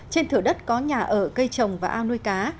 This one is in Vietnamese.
trên thửa đất có nhà ở cây trồng và ao nuôi cá